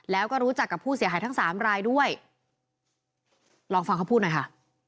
แล้วก็รู้จักกับผู้เสียหายทั้งสามรายด้วยลองฟังเขาพูดหน่อยค่ะ